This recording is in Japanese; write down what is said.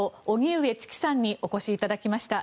荻上チキさんにお越しいただきました。